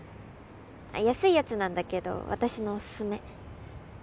安いやつなんだけど私のおすすめ。